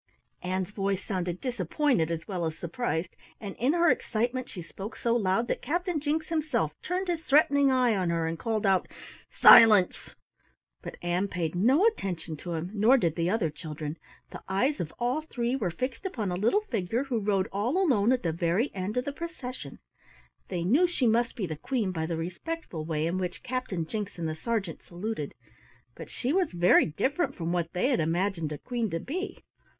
Ann's voice sounded disappointed as well as surprised, and in her excitement she spoke so loud that Captain Jinks himself turned his threatening eye on her and called out: "Silence!" But Ann paid no attention to him, nor did the other children; the eyes of all three were fixed upon a little figure who rode all alone at the very end of the procession. They knew she must be the Queen by the respectful way in which Captain Jinks and the sergeant saluted, but she was very different from what they had imagined a Queen to be.